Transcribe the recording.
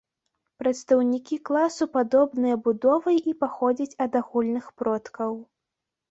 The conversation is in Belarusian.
Прадстаўнікі класу падобныя будовай і паходзяць ад агульных продкаў.